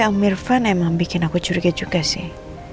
om irfan emang bikin aku curiga juga sih